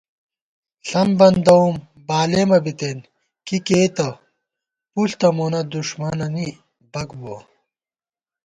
ݪم بندَوُم بالېمہ بِتېن کی کېئیتہ پُݪ تہ مونہ دُݭمَنَنی بَک بُوَہ